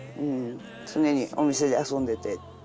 常にお店で遊んでて。